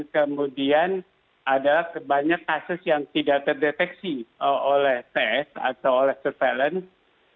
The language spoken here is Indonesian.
kemudian ada banyak kasus yang tidak terdeteksi oleh tes atau oleh surveillance